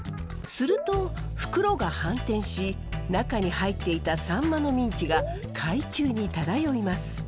すると袋が反転し中に入っていたサンマのミンチが海中に漂います。